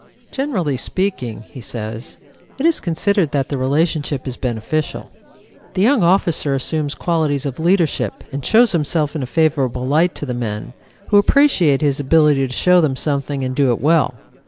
"Generally speaking," he says, "it is considered that the relationship is beneficial. The young officer assumes qualities of leadership and shows himself in a favorable light to the men, who appreciate his ability to show them something and do it well.